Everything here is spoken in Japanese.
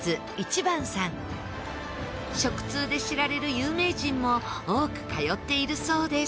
壹番さん食通で知られる有名人も多く通っているそうです